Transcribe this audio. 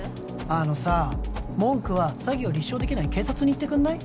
あのさ文句は詐欺を立証できない警察に言ってくんない？